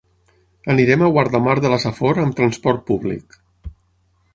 Anirem a Guardamar de la Safor amb transport públic.